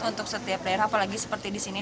untuk setiap daerah apalagi seperti di sini